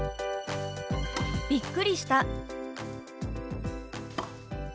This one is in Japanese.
「びっくりした」。